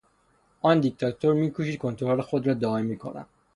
آن دیکتاتور میکوشید کنترل خود را دائمی کند.